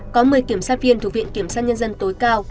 có một mươi kiểm soát viên thuộc viện kiểm soát nhân dân tối cao